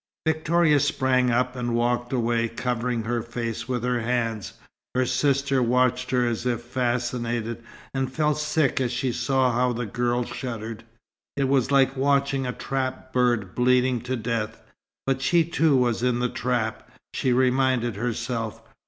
Victoria sprang up and walked away, covering her face with her hands. Her sister watched her as if fascinated, and felt sick as she saw how the girl shuddered. It was like watching a trapped bird bleeding to death. But she too was in the trap, she reminded herself.